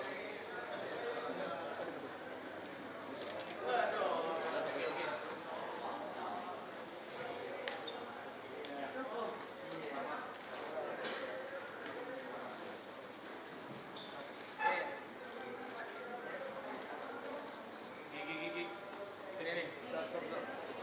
gimana nih komentarnya nih setelah pulang dari sana